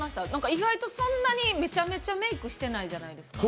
意外とそんなにめちゃめちゃメイクしてないじゃないですか。